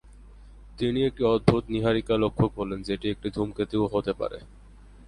তিনি একটি অদ্ভুত নীহারিকা লক্ষ্য করলেন, যেটি একটি ধূমকেতুও হতে পারে।